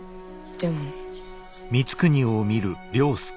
でも。